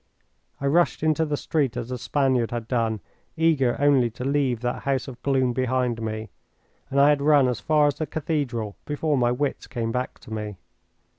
I rushed into the street as the Spaniard had done, eager only to leave that house of gloom behind me, and I had run as far as the cathedral before my wits came back to me.